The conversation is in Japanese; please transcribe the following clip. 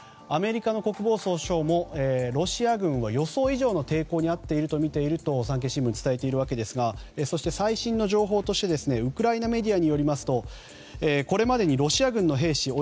アメリカの国防総省もロシア軍は予想以上の抵抗にあっているとみていると産経新聞は伝えていますが最新の情報としてウクライナメディアによりますとこれまでにロシア軍の兵士